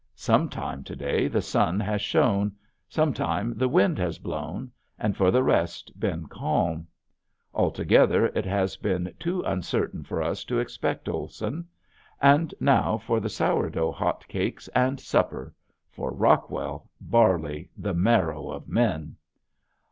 Sometime to day the sun has shone, sometime the wind has blown, and for the rest been calm. Altogether it has been too uncertain for us to expect Olson. And now for the sour dough hot cakes and supper. For Rockwell, barley, "the marrow of men."